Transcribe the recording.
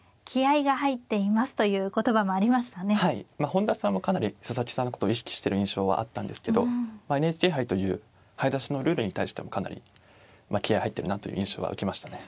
本田さんもかなり佐々木さんのことを意識してる印象はあったんですけどまあＮＨＫ杯という早指しのルールに対してもかなりまあ気合い入ってるなという印象は受けましたね。